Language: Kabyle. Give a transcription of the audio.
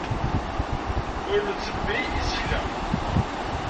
Ur nttebbi isekla.